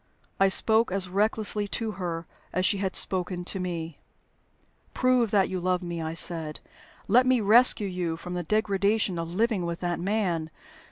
I spoke as recklessly to her as she had spoken to me. "Prove that you love me," I said. "Let me rescue you from the degradation of living with that man.